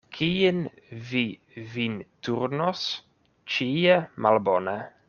Kien vi vin turnos, ĉie malbone.